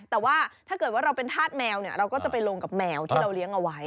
แต่ว่าถ้าเกิดว่าเราเป็นธาตุแมวเนี่ยเราก็จะไปลงกับแมวที่เราเลี้ยงเอาไว้